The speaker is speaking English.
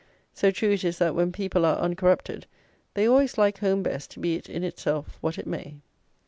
So true it is that, when people are uncorrupted, they always like home best, be it, in itself, what it may.